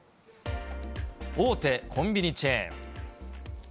大手コンビニチェーン。